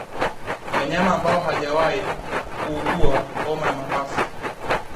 Wanyama ambao hawajawahi kuugua homa ya mapafu